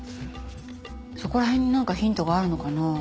そこら辺になんかヒントがあるのかな？